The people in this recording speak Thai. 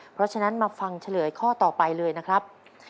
เพราะฉะนั้นมาฟังเฉลยข้อต่อไปเลยนะครับ